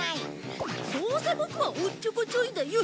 どうせボクはおっちょこちょいだよ。